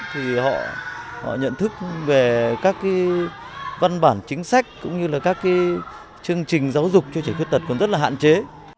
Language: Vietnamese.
họ nhận thức về các văn bản chính sách cũng như các chương trình giáo dục cho trẻ khuyết tật cũng rất là hạn chế